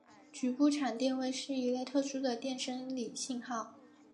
局部场电位是一类特殊的电生理信号。